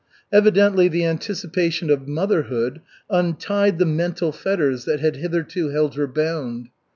Evidently the anticipation of motherhood untied the mental fetters that had hitherto held her bound.